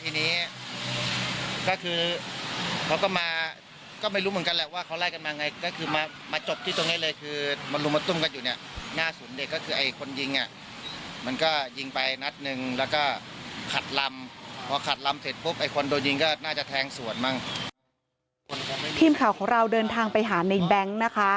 ทีมข่าวของเราเดินทางไปหาในแบงค์นะคะ